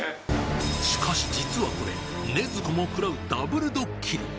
しかし、実はこれ、禰豆子も食らうダブルドッキリ。